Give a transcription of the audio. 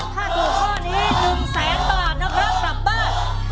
ถ้าถูกข้อนี้๑แสนบาทนะครับกลับบ้าน